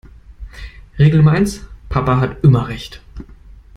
Regel Nummer eins: Papa hat immer Recht.